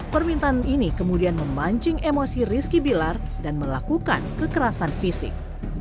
permintaan ini kemudian memancing emosi rizky bilar dan melakukan kekerasan fisik